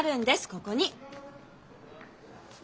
ここに。